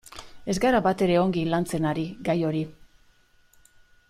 Ez gara batere ongi lantzen ari gai hori.